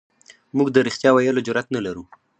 موږ د رښتیا ویلو جرئت نه لرو.